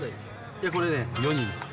いや、これね、４人です。